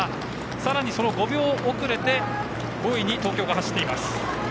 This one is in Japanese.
さらに５秒遅れて５位に東京が走っています。